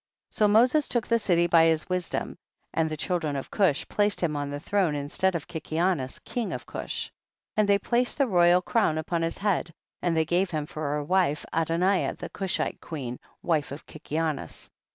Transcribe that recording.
30. So Moses took the city by his wisdom, and the children of Cush placed him on the throne instead of Kikianus king of Cush. 31. And they placed the royal crown upon his head, and they gave him for a wife Adoniah the Cushite queen, wife of Kikianus.